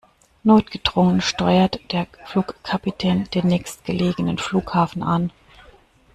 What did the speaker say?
Notgedrungen steuert der Flugkapitän den nächstgelegenen Flughafen an.